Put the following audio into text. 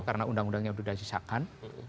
karena undang undangnya sudah disisakan